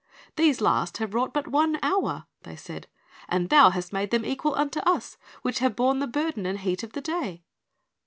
"These last have wrought but one hour," they said, "and thou hast made them equal unto us, which have borne the burden and heat of the day."